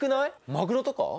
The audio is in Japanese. マグロとか？